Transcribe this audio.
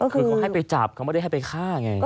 คือเขาให้ไปจับเขาไม่ได้ให้ไปฆ่าไง